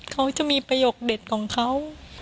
เขาจะมีประโยคเด็ดของเขา